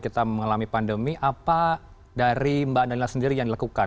kita mengalami pandemi apa dari mbak danila sendiri yang dilakukan